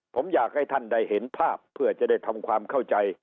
ผมอยากให้ท่านได้เห็นภาพเพื่อจะได้ทำความเข้าใจ